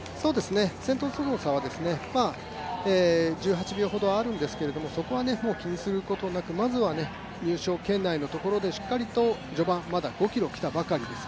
先頭との差は、１８秒ほどあるんですけれども、そこはもう気にすることなくまずは入賞圏内のところでしっかりと序盤、まだ５ｋｍ来たばかりです。